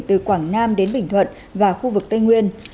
từ quảng nam đến bình thuận và khu vực tây nguyên